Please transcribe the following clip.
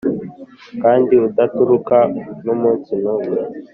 kandi udataruka n’umunsi n’umwe,